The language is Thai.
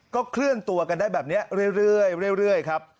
เคลื่อนตัวกันได้แบบนี้เรื่อยครับ